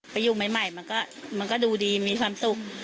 ไปอยู่ใหม่มันก็ดูดีมีความสุข